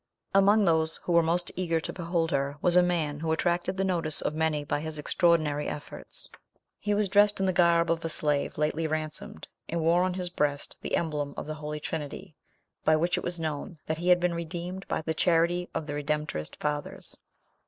Among those who were most eager to behold her, was a man who attracted the notice of many by his extraordinary efforts. He was dressed in the garb of a slave lately ransomed, and wore on his breast the emblem of the Holy Trinity, by which it was known that he had been redeemed by the charity of the Redemptorist fathers.